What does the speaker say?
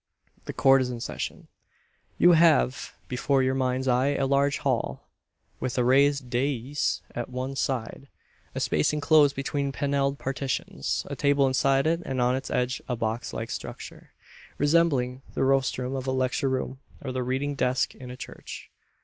The Court is in session. You have before your mind's eye a large hall, with a raised dais at one side; a space enclosed between panelled partitions; a table inside it; and on its edge a box like structure, resembling the rostrum of a lecture room, or the reading desk in a church.